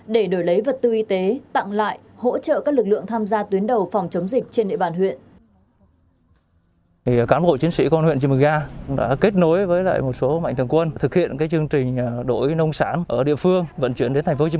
để đổi lấy vật tư y tế tặng lại hỗ trợ các lực lượng tham gia tuyến đầu phòng chống dịch trên địa bàn huyện